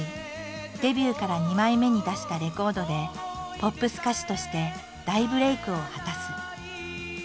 デビューから２枚目に出したレコードでポップス歌手として大ブレークを果たす。